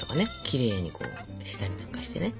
きれいにこうしたりなんかしてね。